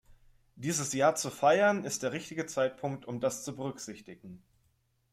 Dieses Jahr zu feiern, ist der richtige Zeitpunkt, um das zu berücksichtigen.